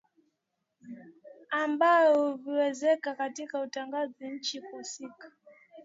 ambavyo huviwezesha katika kuitangaza nchi husika